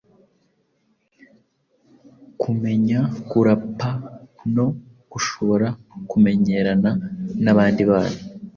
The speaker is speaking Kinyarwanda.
kumenya kurapa no gushobora kumenyerana n’abandi bana